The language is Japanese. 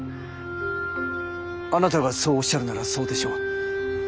あなたがそうおっしゃるならそうでしょう。